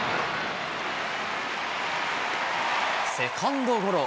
セカンドゴロ。